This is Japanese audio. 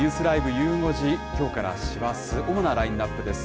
ゆう５時、きょうから師走、主なラインナップです。